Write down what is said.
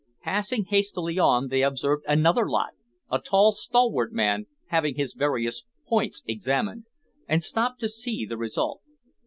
Passing hastily on, they observed another "lot," a tall stalwart man, having his various "points" examined, and stopped to see the result.